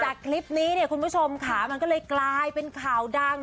คลิปนี้เนี่ยคุณผู้ชมค่ะมันก็เลยกลายเป็นข่าวดัง